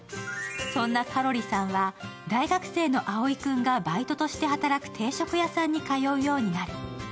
そんなかろりさんは大学生の青井君がバイトして働く定食屋さんに通うようになる。